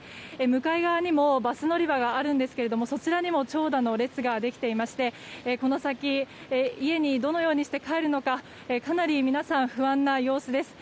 向かい側にもバス乗り場があるんですがそちらにも長蛇の列ができていましてこの先家にどのようにして帰るのか皆さん、かなり不安な様子です。